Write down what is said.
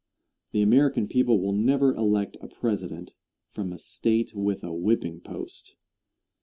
The American people will never elect a President from a State with a whipping post.